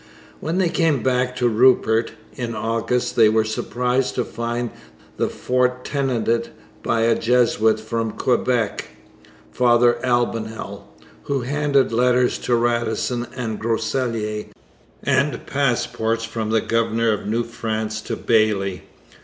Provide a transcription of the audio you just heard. When they came back to Rupert in August they were surprised to find the fort tenanted by a Jesuit from Quebec, Father Albanel, who handed letters to Radisson and Groseilliers, and passports from the governor of New France to Bayly.